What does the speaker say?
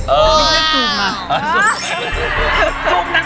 ไม่น่าจะจูบมา